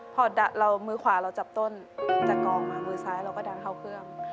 พอมือขวาเราจับต้นจากกองมามือซ้ายเราก็ดันเข้าเครื่อง